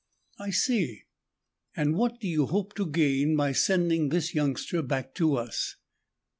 "I see. And what do you hope to gain by sending this youngster back to us?"